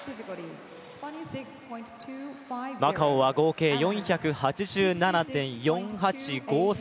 マカオは合計４８７．４８５３。